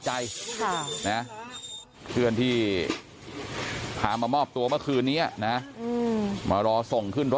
ใจค่ะนะเพื่อนที่พามามอบตัวเมื่อคืนนี้นะมารอส่งขึ้นรถ